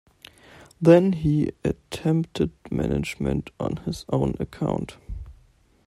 Then he attempted management on his own account.